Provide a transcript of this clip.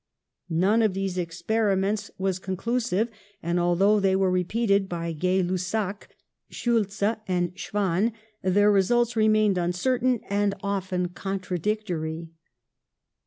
None of these experiments ON THE ROAD TO FAME 61 was conclusive, and, although they were re peated by Gay Lussac, Schulze and Schwann, their results remained uncertain and often con tradictory.